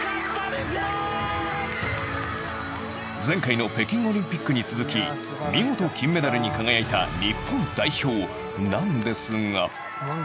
前回の北京オリンピックに続き見事、金メダルに輝いた日本代表なんですが。